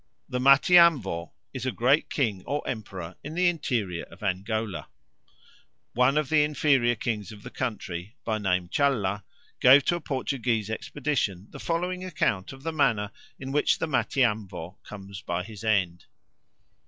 The Matiamvo is a great king or emperor in the interior of Angola. One of the inferior kings of the country, by name Challa, gave to a Portuguese expedition the following account of the manner in which the Matiamvo comes by his end.